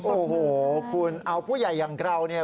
โอ้โหคุณเอาผู้ใหญ่อย่างเราเนี่ย